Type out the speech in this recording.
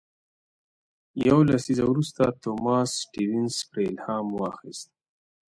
یو لسیزه وروسته توماس سټيونز پرې الهام واخیست.